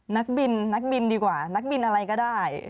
นักบินนักบินดีกว่านักบินอะไรก็ได้